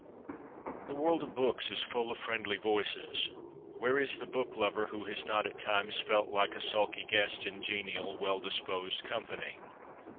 The world of books is full of friendly voices. Where is the book lover who has not at times felt like a sulky guest in genial, well disposed company